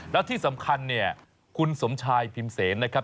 แล้วที่สำคัญคุณสมชายพิมเซนนะครับ